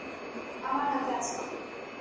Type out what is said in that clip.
আমার হাতে আছে।